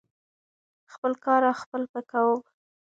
خپل کاره خپل به کوم .